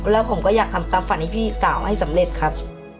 แล้วผมก็อยากทำตามฝันให้พี่สาวให้สำเร็จครับ